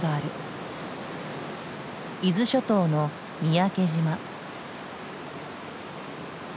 伊豆諸島の三宅島。